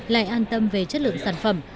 lại an tâm về chất lượng sản phẩm